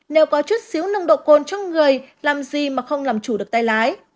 nếu có chất xíu nồng độ cồn trong người làm gì mà không làm chủ được tay lái